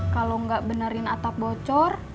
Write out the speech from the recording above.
kalau nggak benerin atap bocor